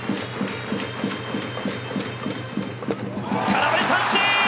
空振り三振！